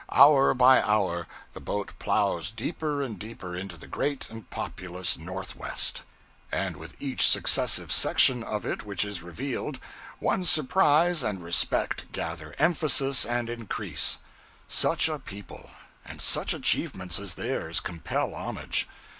Hour by hour, the boat plows deeper and deeper into the great and populous North west; and with each successive section of it which is revealed, one's surprise and respect gather emphasis and increase. Such a people, and such achievements as theirs, compel homage.